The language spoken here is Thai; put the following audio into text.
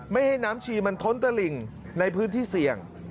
ไม่ให้น้ำชีมันท้นตะหลิ่งในพื้นที่เสี่ยง